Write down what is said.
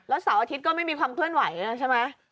เสาร์อาทิตย์ก็ไม่มีความเคลื่อนไหวนะใช่ไหม